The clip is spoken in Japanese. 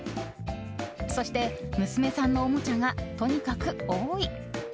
そして、娘さんのおもちゃがとにかく多い。